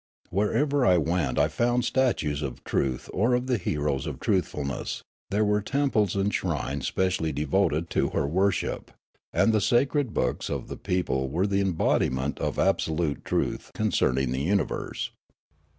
Wher ever I went I found statues of Truth or of the heroes of truthfulness ; there were temples and shrines specially devoted to Her worship ; and the sacred books of the people were the embodiment of absolute truth concern ing the universe.